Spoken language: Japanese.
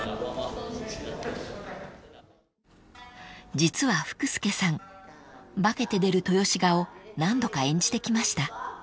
［実は福助さん化けて出る豊志賀を何度か演じてきました］